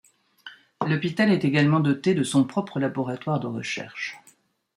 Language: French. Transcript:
L'hôpital est également doté de son propre laboratoire de recherche.